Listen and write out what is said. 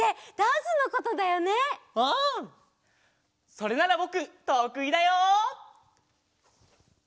それならぼくとくいだよ！